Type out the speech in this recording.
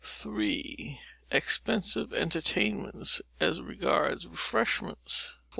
iii. Expensive entertainments, as regards refreshments.